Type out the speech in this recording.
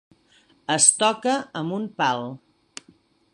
Es toca amb un pal.